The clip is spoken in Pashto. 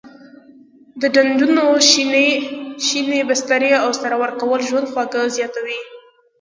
د ډنډونو شینې بسترې او سره ورکول ژوندي خواړه زیاتوي.